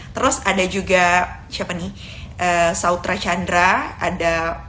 terus ada juga siapa nih eh sautera chandra ada